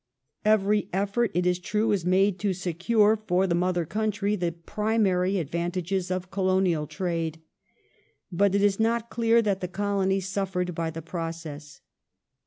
Every effort it is true was made to secure for the mother country the primary advantages of colonial trade. But it is not clear that the Colonies suffered by the process.